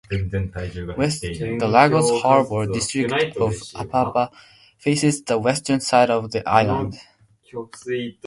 The Lagos harbour district of Apapa faces the western side of the island.